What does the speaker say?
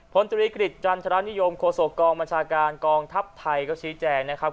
ตรีกฤษจันทรานิยมโคศกองบัญชาการกองทัพไทยก็ชี้แจงนะครับ